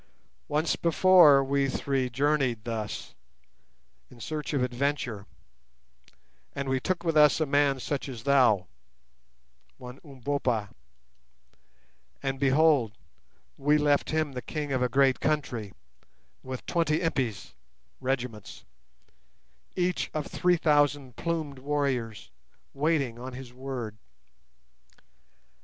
Once before we three journeyed thus, in search of adventure, and we took with us a man such as thou—one Umbopa; and, behold, we left him the king of a great country, with twenty Impis (regiments), each of 3,000 plumed warriors, waiting on his word.